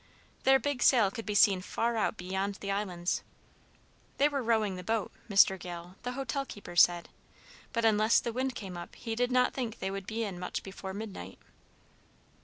Their big sail could be seen far out beyond the islands. They were rowing the boat, Mr. Gale, the hotel keeper, said; but unless the wind came up, he did not think they would be in much before midnight.